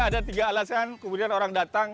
ada tiga alasan kemudian orang datang